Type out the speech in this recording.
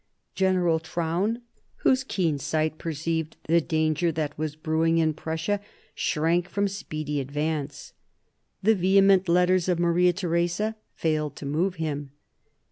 General Traun, whose keen sight perceived the danger that was brewing in Prussia, shrank from speedy advance. The vehement letters of Maria Theresa failed to move him.